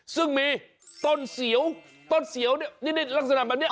ซึ่งมีต้นเสียวต้นเสียวเนี่ยหนิรักษนาแบบเนี้ย